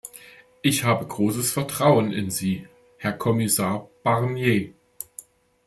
Ich habe großes Vertrauen in Sie, Herr Kommissar Barnier.